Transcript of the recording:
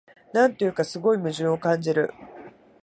なんというか、すごい矛盾を感じる